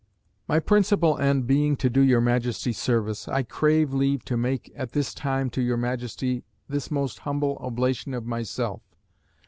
"My principal end being to do your Majesty service, I crave leave to make at this time to your Majesty this most humble oblation of myself.